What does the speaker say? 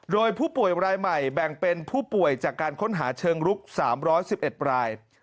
โดยผู้ป่วยรายใหม่แบ่งเป็นผู้ป่วยจากการค้นหาเชิงรุก๓๑๑ราย